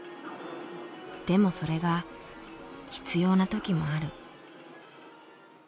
でもそれが必要な時もある。